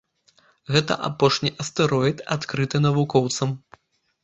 Гэта апошні астэроід, адкрыты навукоўцам.